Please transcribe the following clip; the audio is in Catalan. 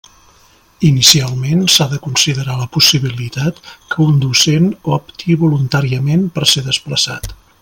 Inicialment, s'ha de considerar la possibilitat que un docent opti voluntàriament per ser desplaçat.